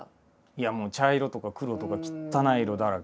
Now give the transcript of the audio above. いやもう茶色とか黒とかきったない色だらけ。